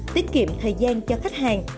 tiết kiệm thời gian cho khách hàng